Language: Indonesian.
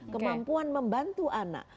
kemampuan membantu anak